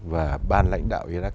và ban lãnh đạo iraq